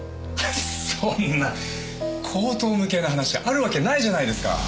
そんな荒唐無稽な話あるわけないじゃないですか！